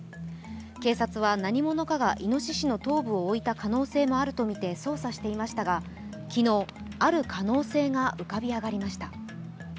警察は、何者かがいのししの頭部を置いた可能性もあるとみて捜査していましたが昨日、ある可能性が浮かび上がりました。